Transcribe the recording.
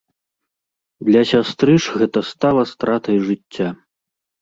Для сястры ж гэта стала стратай жыцця.